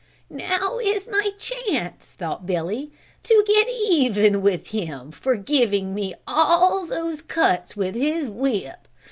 "Now is my chance," thought Billy, "to get even with him for giving me all those cuts with his whip.